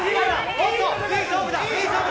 おっと、いい勝負だ！